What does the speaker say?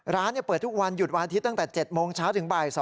ร้านเปิดทุกวันหยุดวันอาทิตย์ตั้งแต่๗โมงเช้าถึงบ่าย๒